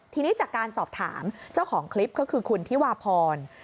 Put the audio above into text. ทีนี้จากการสอบถามเจ้าของคลิปก็คือคุณธิวาพร